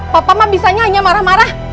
papa mama bisanya hanya marah marah